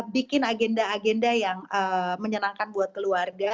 bikin agenda agenda yang menyenangkan buat keluarga